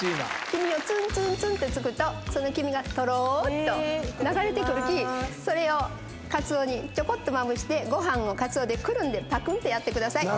黄身をツンツンって突くと黄身がとろーっと流れてくるきカツオにちょこっとまぶしてご飯をカツオでくるんでぱくんってやってください。